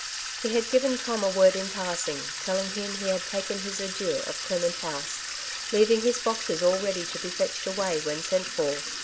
He had given Tom a word in passing, telling him he had taken his adieu of Clement House, leavinsr his boxes all ready to be fetched away when sent for.